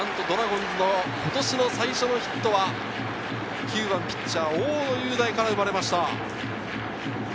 ドラゴンズの今年の最初のヒットは９番ピッチャー・大野雄大から生まれました。